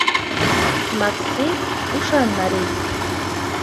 Макси — ушан марий.